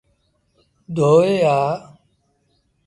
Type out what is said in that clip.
ڌوئي آ۔